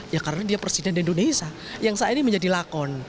ya karena dia presiden indonesia yang saat ini menjadi lakon